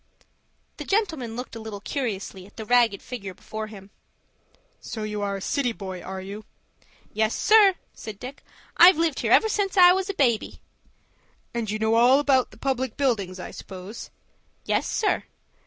The gentleman looked a little curiously at the ragged figure before him. "So you are a city boy, are you?" "Yes, sir," said Dick, "I've lived here ever since I was a baby." "And you know all about the public buildings, I suppose?" "Yes, sir."